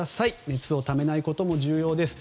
熱をためないことも重要です。